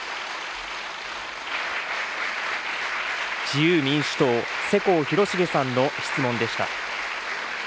自由民主党、世耕弘成さんの質問でした。